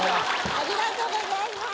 ありがとうございます。